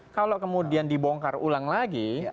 kalau kemudian dibongkar ulang lagi